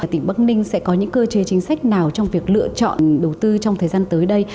tỉnh bắc ninh sẽ có những cơ chế chính sách nào trong việc lựa chọn đầu tư trong thời gian tới đây